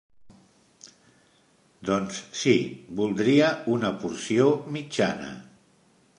Doncs si, voldria una porció mitjana.